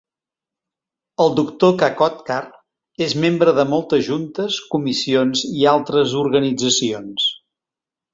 El doctor Kakodkar és membre de moltes juntes, comissions i altres organitzacions.